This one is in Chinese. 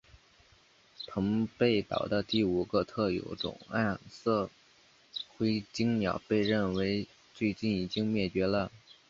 澎贝岛的第五个特有种暗色辉椋鸟被认为最近已经灭绝了。